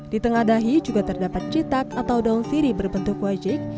di tengah dahi juga terdapat citak atau daun siri berbentuk wajik